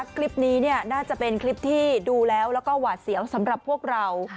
คลิปนี้น่าจะเป็นคลิปที่ดูแล้วแล้วก็หวาดเสียวสำหรับพวกเรา